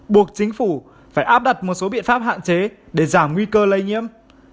buộc chính phủ phải áp đặt một số biện pháp hạn chế để giảm nguy cơ lây nhiễm